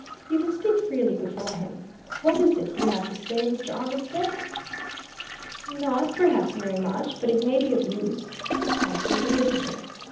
You can speak freely before him. What is it you have to say, Mr. Armitstead?" "Not, perhaps, very much, but it may be of use," answered the visitor.